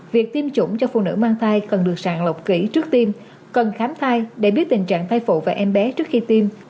việc tiêm chủng cho phụ nữ mang thai cần được sàng lọc kỹ trước tim cần khám thai để biết tình trạng thai phụ và em bé trước khi tiêm